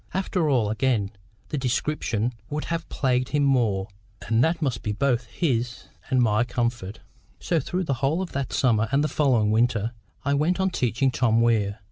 After all, again, the description would have plagued him more, and that must be both his and my comfort. So through the whole of that summer and the following winter, I went on teaching Tom Weir.